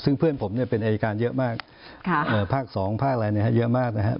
ซึ่งเพื่อนผมเนี่ยเป็นอายการเยอะมากภาค๒ภาคอะไรเยอะมากนะครับ